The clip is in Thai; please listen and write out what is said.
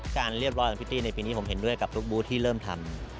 เรียบร้อยของพิตตี้ในปีนี้ผมเห็นด้วยกับลูกบูธที่เริ่มทำ